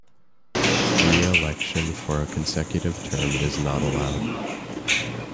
Re-election for a consecutive term is not allowed.